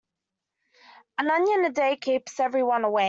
An onion a day keeps everyone away.